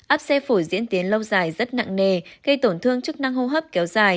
áp xe phổi diễn tiến lâu dài rất nặng nề gây tổn thương chức năng hô hấp kéo dài